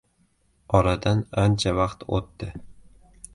Oradan ancha vaqt oʻtdi.